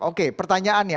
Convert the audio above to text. oke pertanyaan ya